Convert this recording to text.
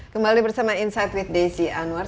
kembali bersama insight with desi anwar